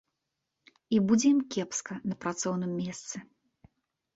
І будзе ім кепска на працоўным месцы.